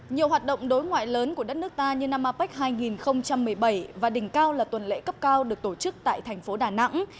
nhiều hoạt động đối ngoại lớn của đất nước ta như năm apec hai nghìn một mươi bảy và đỉnh cao là tuần lễ cấp cao được tổ chức tại thành phố đà nẵng